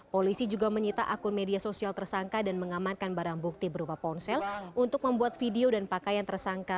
polisi juga menyita akun media sosial tersangka dan mengamankan barang bukti berupa ponsel untuk membuat video dan pakaian tersangka